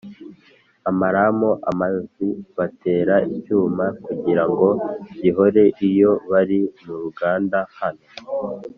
amaramu: amazi batera icyuma kugira ngo gihore iyo bari mu ruganda hano